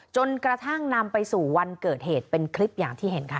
จนกระทั่งนำไปสู่วันเกิดเหตุเป็นคลิปอย่างที่เห็นค่ะ